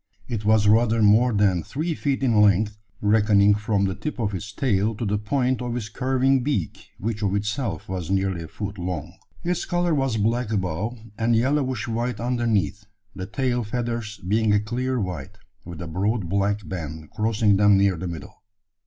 It was rather more than three feet in length reckoning from the tip of its tail to the point of its curving beak, which of itself was nearly a foot long! Its colour was black above, and yellowish white underneath, the tail feathers being a clear white, with a broad black band crossing them near the middle.